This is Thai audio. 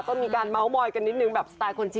ก็มีการเมาส์มอยกันนิดนึงแบบสไตล์คนจีน